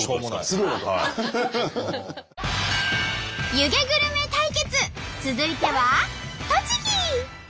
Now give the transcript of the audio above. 湯気グルメ対決続いては栃木。